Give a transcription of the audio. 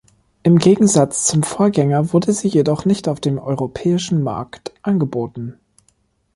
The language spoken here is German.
Im Gegensatz zum Vorgänger wurde sie jedoch nicht auf dem europäischen Markt angeboten.